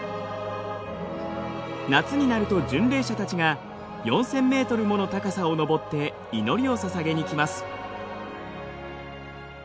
夏になると巡礼者たちが４，０００ｍもの高さを登って祈りをささげに来ます。